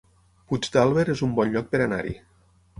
Puigdàlber es un bon lloc per anar-hi